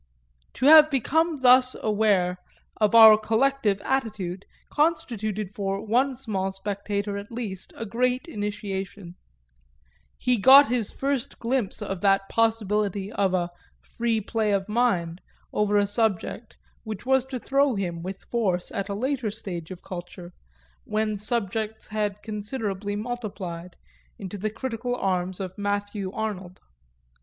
To have become thus aware of our collective attitude constituted for one small spectator at least a great initiation; he got his first glimpse of that possibility of a "free play of mind" over a subject which was to throw him with force at a later stage of culture, when subjects had considerably multiplied, into the critical arms of Matthew Arnold.